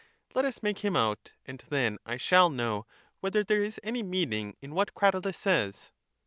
Let us make him out, and then I shall know whether there is any meaning in what Cratyius says.